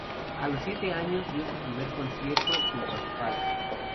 A los siete años dio su primer concierto junto a su padre.